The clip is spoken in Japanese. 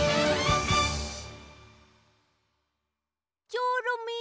チョロミー